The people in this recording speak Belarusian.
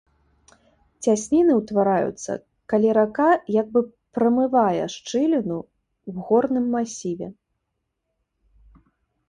Цясніны ўтвараюцца, калі рака як бы прамывае шчыліну ў горным масіве.